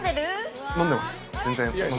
全然飲んでます。